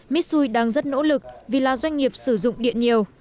mitsui đang rất nỗ lực vì là doanh nghiệp sử dụng điện nhiều